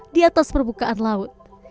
di atas perbukaan laut